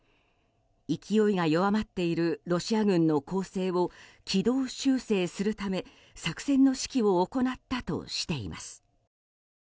勢いが弱まっているロシア軍の攻勢を軌道修正するため作戦の指揮を行ったとしています。